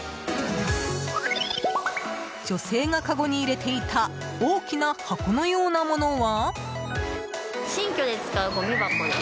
女性がかごに入れていた大きな箱のようなものは？